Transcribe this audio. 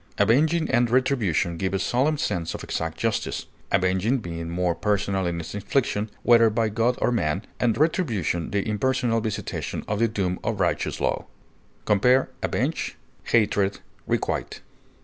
Avenging and retribution give a solemn sense of exact justice, avenging being more personal in its infliction, whether by God or man, and retribution the impersonal visitation of the doom of righteous law. Compare AVENGE; HATRED; REQUITE.